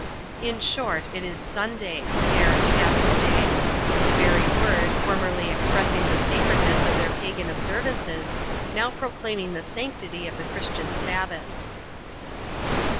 In short, it is Sunday — their " Taboo Day ;" the very word, formerly expressing the sacredness of their pagan observances, now proclaiming the sanctity of the Christian Sabbath.